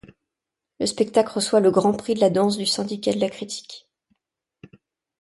Le spectacle reçoit le Grand Prix de la danse du Syndicat de la critique.